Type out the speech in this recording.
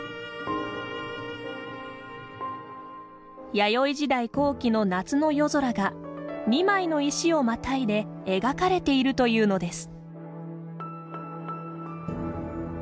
弥生時代後期の夏の夜空が２枚の石をまたいで描かれているというのです。